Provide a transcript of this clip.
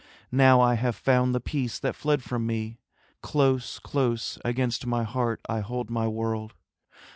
Now I have found the peace that fled from me; Close, close, against my heart I hold my world.